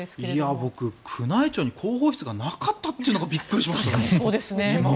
僕、宮内庁に広報室がなかったというのがびっくりしました。